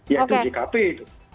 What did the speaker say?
yaitu jkp itu